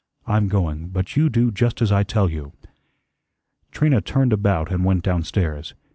I'm going; but you do just as I tell you." Trina turned about and went down stairs.